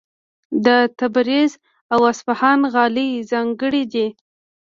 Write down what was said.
د تبریز او اصفهان غالۍ ځانګړې دي.